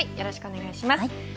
よろしくお願いします。